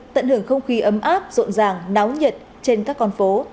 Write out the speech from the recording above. tận hưởng không khí ấm áp rộn ràng nóng nhật trên các con phố